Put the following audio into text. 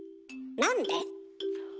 なんで？